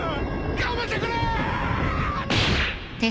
やめてくれー！